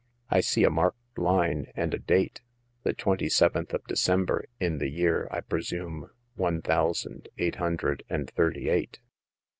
I see a marked line, and a date, the twenty seventh of December, in the year, I presume, one thousand eight hundred and thirty eight.